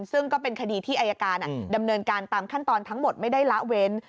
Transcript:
ซึ่งก็เป็นคดีที่อายการดำเนินการตามขั้นตอนทั้งหมดไม่ได้ละเว้น